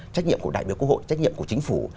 trách nhiệm của đại biểu quốc hội trách nhiệm của chính phủ